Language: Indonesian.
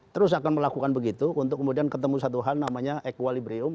terus akan melakukan begitu untuk kemudian ketemu satu hal namanya equalibrium